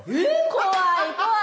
怖い怖い。